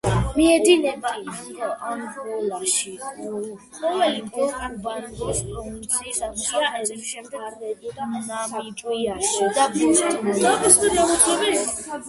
მიედინება ანგოლაში, კუანდო-კუბანგოს პროვინციის აღმოსავლეთ ნაწილში, შემდეგ ნამიბიაში და ბოტსვანაში.